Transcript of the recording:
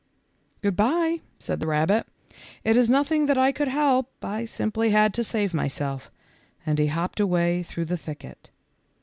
"Good by," said the rabbit; "it is nothing that I could help. I simply had to save my self," and he hopped away through the thicket.